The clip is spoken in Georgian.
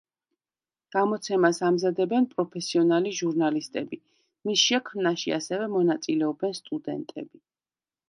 გამოცემას ამზადებენ პროფესიონალი ჟურნალისტები, მის შექმნაში ასევე მონაწილეობენ სტუდენტები.